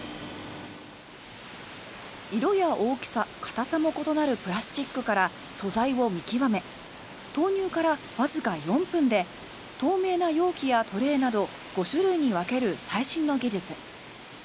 色や大きさ、硬さも異なるプラスチックから素材を見極め投入からわずか４分で透明な容器やトレーなど５種類に分ける最新の技術。